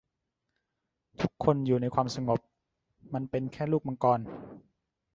ทุกคนอยู่ในความสงบ มันเป็นแค่ลูกมังกร